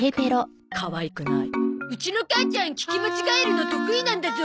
かわいくないうちの母ちゃん聞き間違えるの得意なんだゾ。